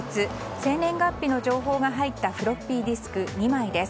警視庁が個人情報が入ったフロッピーディスク２枚を紛失です。